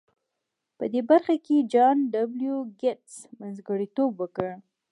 په دې برخه کې جان ډبلیو ګیټس منځګړیتوب وکړ